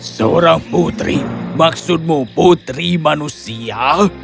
seorang putri maksudmu putri manusia